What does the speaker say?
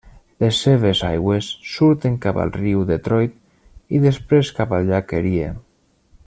Les seves aigües surten cap al riu Detroit i després cap al Llac Erie.